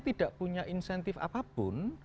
tidak punya insentif apapun